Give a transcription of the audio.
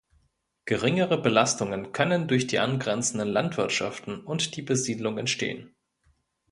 Geringere Belastungen können durch die angrenzenden Landwirtschaften und die Besiedlung entstehen.